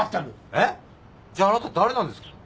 えっ？じゃあなた誰なんですか？